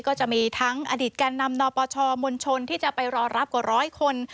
ก็จะมีทั้งอดีตแก่นำนปชมนชนที่จะไปรอรับกว่าร้อยคน